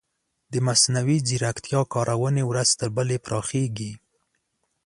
د مصنوعي ځیرکتیا کارونې ورځ تر بلې پراخیږي.